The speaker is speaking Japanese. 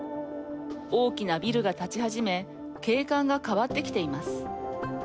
大きなビルが建ちはじめ景観が変わってきています。